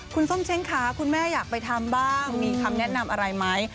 คุณส้มเช้งค่ะคุณแม่อยากไปทำบ้างมีคำแนะนำอะไรไหม